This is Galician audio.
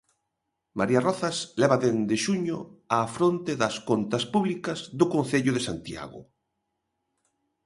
María Rozas leva dende xuño á fronte das contas públicas do Concello de Santiago.